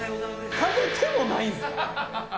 食べてもないんすか？